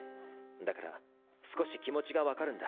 だから少し気持ちが分かるんだ。